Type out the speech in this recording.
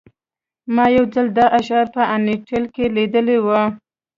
ما یو ځل دا شعار په انټیل کې لیدلی و